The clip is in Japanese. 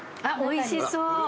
あっおいしそう。